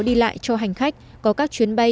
đi lại cho hành khách có các chuyến bay